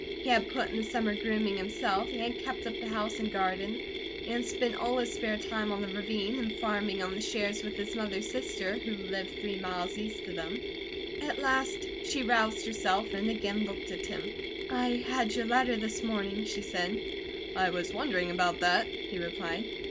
He had put in the summer grooming himself, he had kept up the house and garden, and spent all his spare time on the ravine, and farming on the shares with his mother's sister who lived three miles east of them. At last she roused herself and again looked at him. "I had your letter this morning," she said. "I was wondering about that," he replied.